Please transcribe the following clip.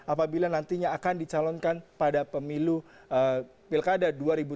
apabila nantinya akan dicalonkan pada pemilu pilkada dua ribu delapan belas